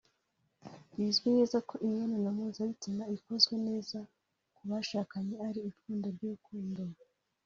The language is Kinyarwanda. Bizwi neza ko imibonano mpuzabitsina ikozwe neza ku bashakanye ari ipfundo ry’urukundo